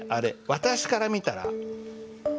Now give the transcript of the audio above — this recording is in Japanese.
私から見たら？